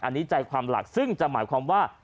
อันนี้ใจความหลักซึ่งจะหมายความว่า